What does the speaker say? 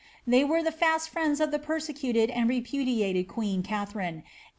They were the fast friends of the persecuted and repudiated queen ' State Papers.